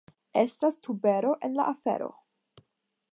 Estas tubero en la afero.